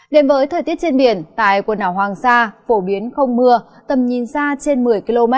đến với thời tiết trên biển tại quần đảo hoàng sa phổ biến không mưa tầm nhìn xa trên một mươi km